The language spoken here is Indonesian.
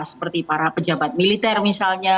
seperti para pejabat militer misalnya